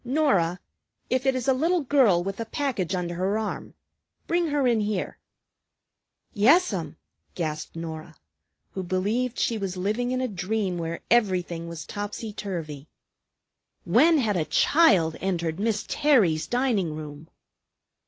"Norah, if it is a little girl with a package under her arm, bring her in here." "Yes'm!" gasped Norah, who believed she was living in a dream where everything was topsy turvy. When had a child entered Miss Terry's dining room!